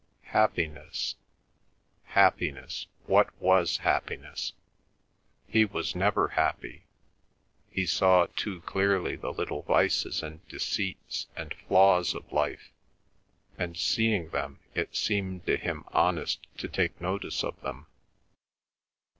Happiness, happiness, what was happiness? He was never happy. He saw too clearly the little vices and deceits and flaws of life, and, seeing them, it seemed to him honest to take notice of them.